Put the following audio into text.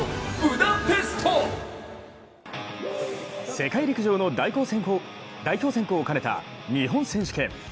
世界陸上の代表選考を兼ねた日本選手権。